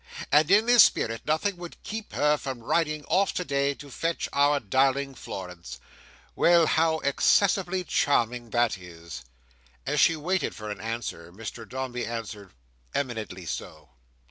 And in this spirit, nothing would keep her from riding off today to fetch our darling Florence. Well, how excessively charming that is!" As she waited for an answer, Mr Dombey answered, "Eminently so."